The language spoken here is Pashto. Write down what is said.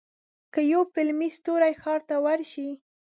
که یو فلمي ستوری ښار ته ورشي.